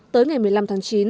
tới ngày một mươi năm tháng chín